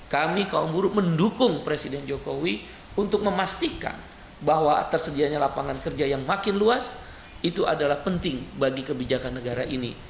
kami kaum buruh mendukung presiden jokowi untuk memastikan bahwa tersedianya lapangan kerja yang makin luas itu adalah penting bagi kebijakan negara ini